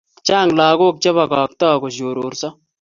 Chang lakok che ke pakaktaa koshororso